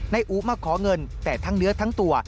นายอู๋มาขอเงินแต่ทั้งเนื้อทั้งตัว